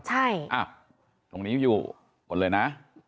ใช่อ้าวตรงนี้อยู่หมดเลยนะ